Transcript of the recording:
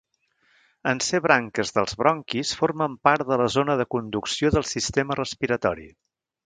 En ser branques dels bronquis, formen part de la zona de conducció del sistema respiratori.